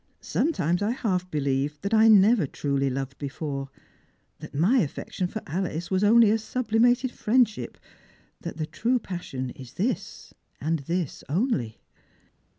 Strangert and Pilgrims 133 Soflietimea I half bolieve that I never truly loved before, that my affection for Alice was only a sublimated friendship, that the true passion is this, and this only."